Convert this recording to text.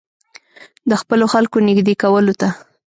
د خپلو خلکو نېږدې کولو ته.